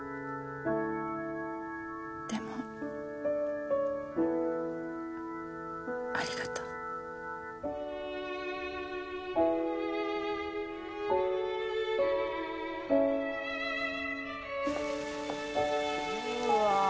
でもありがとう。うーわ。